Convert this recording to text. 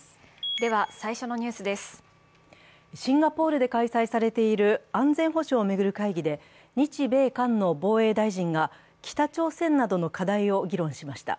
シンガポールで開催されている安全保障を巡る会議で、日米韓の防衛大臣が北朝鮮などの課題を議論しました。